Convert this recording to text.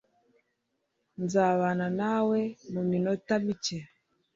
nzabana nawe muminota mike